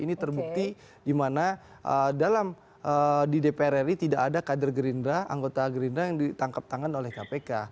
ini terbukti di mana dalam di dpr ri tidak ada kader gerindra anggota gerindra yang ditangkap tangan oleh kpk